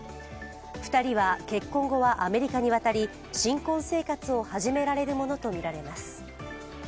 ２人は結婚後はアメリカに渡り新婚生活を始められるものとみられます。